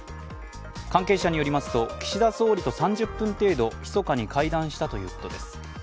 関係者によりますと、岸田総理と３０分程度、密かに会談したということです。